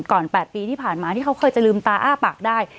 ๘ปีที่ผ่านมาที่เขาเคยจะลืมตาอ้าปากได้